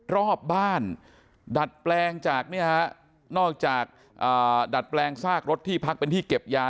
รอบบ้านดัดแปลงจากนอกจากดัดแปลงซากรถที่พักเป็นที่เก็บยา